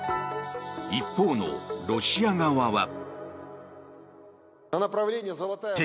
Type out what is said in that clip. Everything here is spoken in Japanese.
一方のロシア側は。